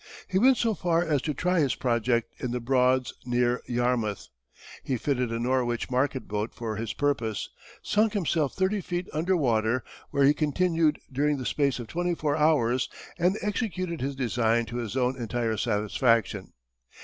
He went so far as to try his project in the Broads near Yarmouth. He fitted a Norwich market boat for his purpose, sunk himself thirty feet under water, where he continued during the space of twenty four hours, and executed his design to his own entire satisfaction.